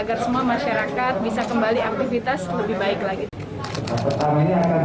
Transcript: keempat sekarang kita tunggu selama tiga puluh menit apakah ada efeknya